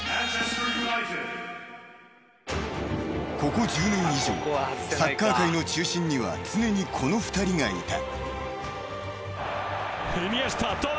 ［ここ１０年以上サッカー界の中心には常にこの２人がいた］